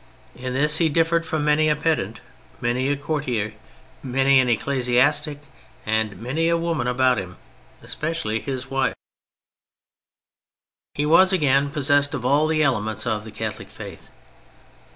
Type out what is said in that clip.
In this he differed from many a pedant, many a courtier, many an ecclesiastic, and many a woman about him, especially his wife. 40 THE FRENCH REVOLUTION He was, again, possessed of all the elements of the Catholic faith.